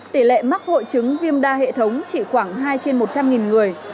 tỷ lệ mắc hội chứng viêm đa hệ thống chỉ khoảng hai trên một trăm linh người